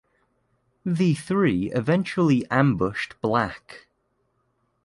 The three eventually ambushed Black.